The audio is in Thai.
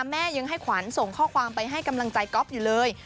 แม่ยังให้ขวัญส่งข้อความไปให้กำลังใจก๊อฟอยู่เลย